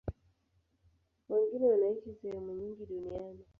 Wengine wanaishi sehemu nyingi duniani.